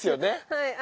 はい。